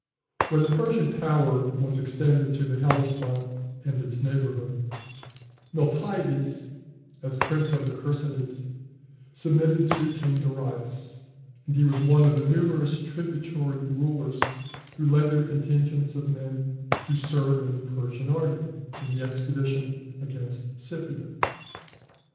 When the Persian power was extended to the Hellespont and its neighborhood, Miltiades, as prince of the Chersonese, submitted to King Darius; and he was one of the numerous tributary rulers who led their contingents of men to serve in the Persian army, in the expedition against Scythia.